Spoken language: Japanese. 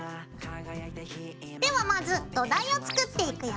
ではまず土台を作っていくよ。